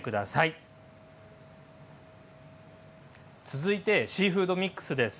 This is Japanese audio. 続いてシーフードミックスです。